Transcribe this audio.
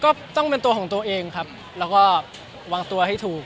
ก็ต้องเป็นตัวของตัวเองครับแล้วก็วางตัวให้ถูก